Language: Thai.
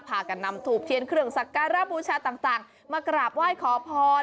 พากันนำถูบเทียนเครื่องสักการะบูชาต่างมากราบไหว้ขอพร